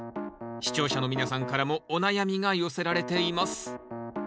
視聴者の皆さんからもお悩みが寄せられています